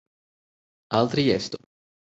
Al Triesto.